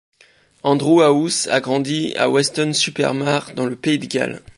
Andrew House a grandi à Weston-super-Mare dans le Pays de Galles.